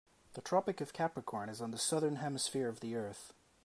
The Tropic of Capricorn is on the Southern Hemisphere of the earth.